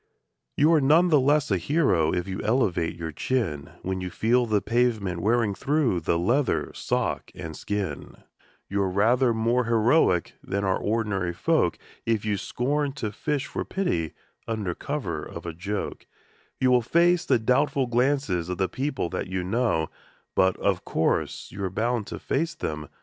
You are none the less a hero if you elevate your chin When you feel the pavement wearing through the leather, sock and skin; You are rather more heroic than are ordinary folk If you scorn to fish for pity under cover of a joke; You will face the doubtful glances of the people that you know ; But of course, you're bound to face them when your pants begin to go.